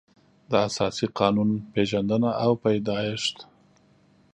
د اساسي قانون پېژندنه او پیدایښت